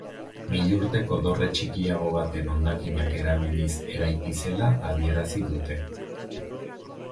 Milurteko dorre txikiago baten hondakinak erabiliz eraiki zela adierazi dute.